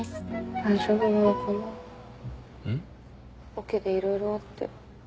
オケでいろいろあって。